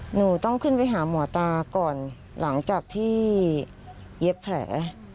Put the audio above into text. หนูต้องขึ้นไปหาหมอตาก่อนหลังจากที่เย็บแผล